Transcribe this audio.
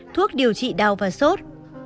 thuốc điều trị đau và sốt